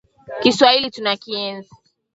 Kiswahili tunakienzi.